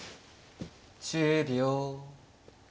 １０秒。